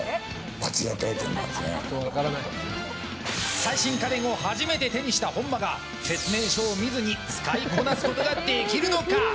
最新家電を初めて手にした本間が説明書を見ずに使いこなすことができるのか。